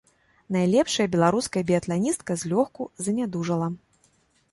Найлепшая беларуская біятланістка злёгку занядужала.